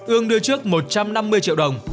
ương đưa trước một trăm năm mươi triệu đồng